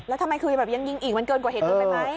แล้วทำไมคือแบบยังยิงอีกมันเกินกว่าเหตุอื่นไปไหม